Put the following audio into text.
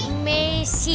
jadi itu bener yang mana